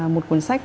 một cuốn sách